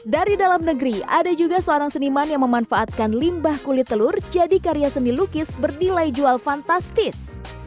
dari dalam negeri ada juga seorang seniman yang memanfaatkan limbah kulit telur jadi karya seni lukis bernilai jual fantastis